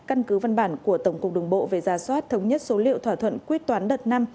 căn cứ văn bản của tổng cục đường bộ về giả soát thống nhất số liệu thỏa thuận quyết toán đợt năm